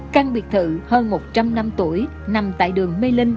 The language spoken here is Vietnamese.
căn biệt thự hơn một trăm linh năm tuổi nằm tại đường mê linh